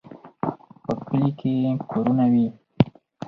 په کلي کې کورونه وي.